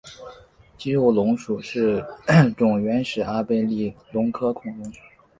肌肉龙属是种原始阿贝力龙科恐龙。